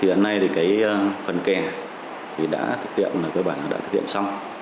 hiện nay thì cái phần kè thì đã thực hiện là cơ bản đã thực hiện xong